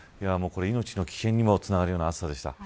命の危険につなるような暑さでした。